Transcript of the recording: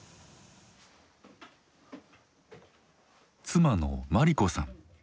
妻の末利子さん。